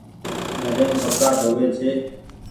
گهريم ڪپڙآ ڌو وي ڇي ۔